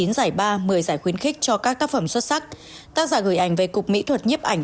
chín giải ba một mươi giải khuyến khích cho các tác phẩm xuất sắc tác giả gửi ảnh về cục mỹ thuật nhiếp ảnh